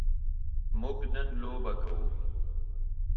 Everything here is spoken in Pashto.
موږ نن لوبه کوو.